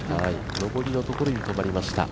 上りのところで止まりました、